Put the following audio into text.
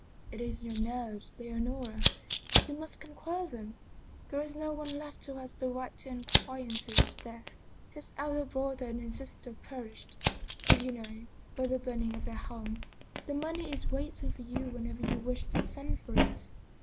'" "It is your nerves, Leonora; you must conquer them. There is no one left who has the right to inquire into his death. His elder brother and his sister perished, as you know, by the burning of their home. The money is wait ing for you whenever you wish to send for it.